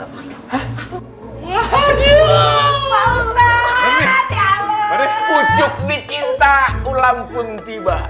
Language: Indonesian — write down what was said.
aduh kalau gitu bener nih pak sadara